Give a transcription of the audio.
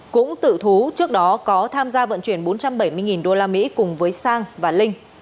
cũng tự thú trước đó có tham gia vận chuyển bốn trăm bảy mươi usd cùng với sang và linh